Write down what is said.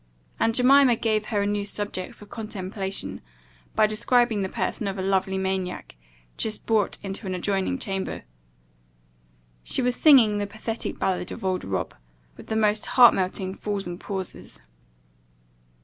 And Jemima gave her a new subject for contemplation, by describing the person of a lovely maniac, just brought into an adjoining chamber. She was singing the pathetic ballad of old Rob* with the most heart melting falls and pauses.